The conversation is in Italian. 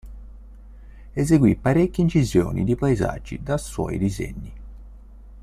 Eseguì parecchie incisioni di paesaggi da suoi disegni.